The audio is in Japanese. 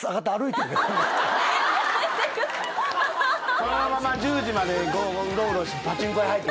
このまま１０時までうろうろして。